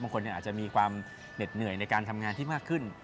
คนอาจจะมีความเหน็ดเหนื่อยในการทำงานที่มากขึ้น